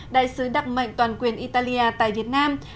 đại sứ đặc mệnh toàn quyền italia tại việt nam